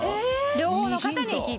両方の方に聞いてます。